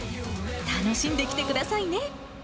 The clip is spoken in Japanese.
楽しんできてくださいね。